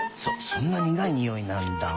そんなにがいにおいなんだ。